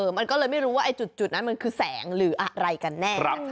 มันก็เลยไม่รู้ว่าจุดนั้นมันคือแสงหรืออะไรกันแน่นะคะ